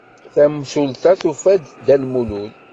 Tamsulta tufa-d Dda Lmulud.